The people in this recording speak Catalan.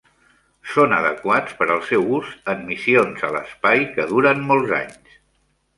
Són adequats per al seu ús en missions a l'espai que duren molts anys.